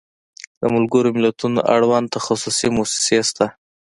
د ملګرو ملتونو اړوند تخصصي موسسې شته.